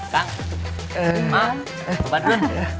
kak mam tempatnya